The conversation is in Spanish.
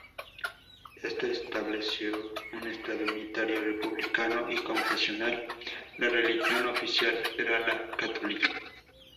Esta estableció un Estado unitario, republicano y confesional; la religión oficial era la católica.